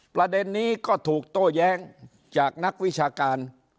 ประเด็นนี้ก็ถูกโต้แย้งจากนักวิชาการ